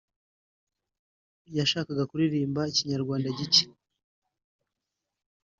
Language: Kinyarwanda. yashakaga kuririmba Ikinyarwanda gike